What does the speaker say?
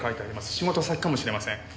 仕事先かもしれません。